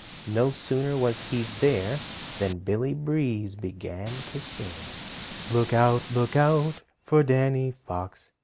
No sooner was he there than Billy Breeze began to sing: "Look out, look out for Danny Fox!